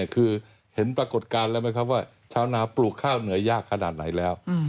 คือเห็นปรากฏการณ์แล้วไหมครับว่าชาวนาปลูกข้าวเหนื่อยยากขนาดไหนแล้ว